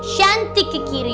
shantyik ke kiri